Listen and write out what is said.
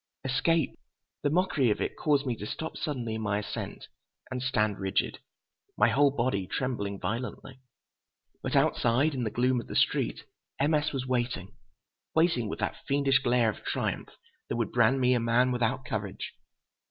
Escape! The mockery of it caused me to stop suddenly in my ascent and stand rigid, my whole body trembling violently. But outside, in the gloom of the street, M. S. was waiting, waiting with that fiendish glare of triumph that would brand me a man without courage.